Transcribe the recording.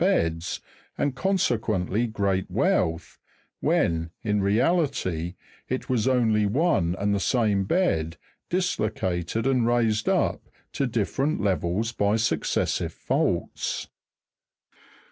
beds, and consequently great wealth, when, in reality, it was only one and the same bed dislocated and raised up to different levels by successive faults.